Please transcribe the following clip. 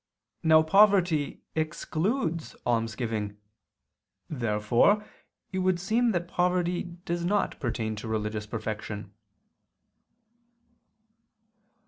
Now poverty excludes almsgiving. Therefore it would seem that poverty does not pertain to religious perfection.